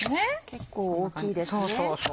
結構大きいですね。